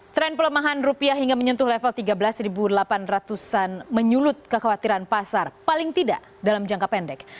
tren pelemahan rupiah hingga menyentuh level tiga belas delapan ratus an menyulut kekhawatiran pasar paling tidak dalam jangka pendek